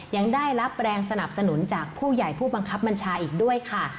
ยังได้รับแรงสนับสนุนจากผู้ใหญ่ผู้บังคับบัญชาอีกด้วยค่ะ